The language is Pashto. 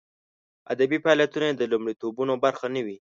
ادبي فعالیتونه یې د لومړیتوبونو برخه نه وي.